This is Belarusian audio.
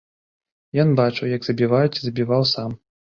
Ён бачыў, як забіваюць і забіваў сам.